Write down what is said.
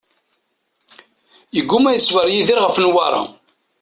Yeggumma ad yeṣber Yidir ɣef Newwara.